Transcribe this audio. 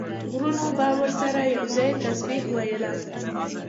غرونو به ورسره یو ځای تسبیح ویله.